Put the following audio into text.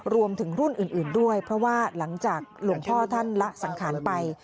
รวมถึงรุ่นอื่นด้วยเพราะว่าหลังจากหลวงพ่อท่านละสังขารไป